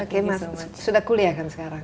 oke mas sudah kuliah kan sekarang